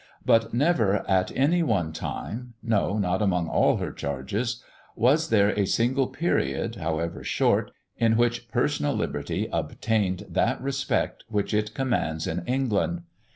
But never at any one time no, not among all her changes was there a single period, however short, in which personal liberty obtained that respect which it commands in England.